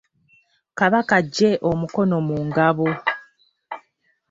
Kabaka aggye omukono mu ngabo.